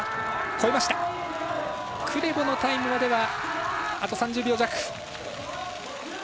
クレボのタイムまではあと３０秒弱。